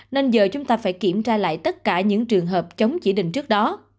nên giờ chúng ta phải kiểm tra lại tất cả những trường hợp chống chỉ định trước đó